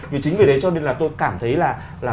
vì chính vì thế cho nên là tôi cảm thấy là